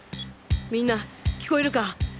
みんな聞こえるか？